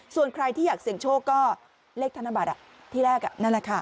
ส่วนใครที่อยากเสี่ยงโชคก็เลขธนบัตรที่แรกนั่นแหละค่ะ